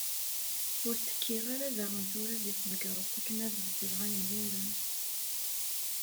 Ur tekkiɣ ara daɣen tura di tmegreḍt akken ad bedleɣ ayen yuran.